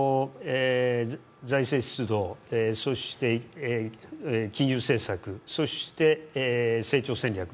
財政出動、金融政策、そして成長戦略。